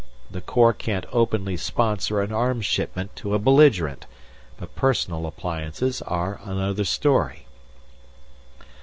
The Corps can't openly sponsor an arms shipment to a belligerent. But personal appliances are another story."